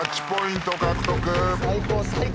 最高最高。